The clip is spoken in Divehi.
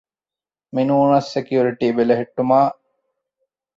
މިނޫނަސް ސެކިއުރިޓީ ބެލެހެއްޓުމާއި